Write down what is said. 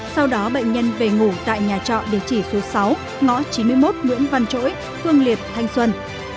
sau đó bệnh nhân về ngủ tại nhà trọ địa chỉ số sáu ngõ chín mươi một nguyễn văn chỗi phương liệt thanh xuân